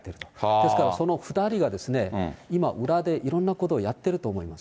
ですからその２人が今、裏でいろんなことをやってると思います。